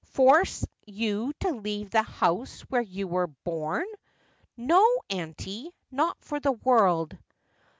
' Force you to leave the house where you were born ! No, auntie ; not for the world.'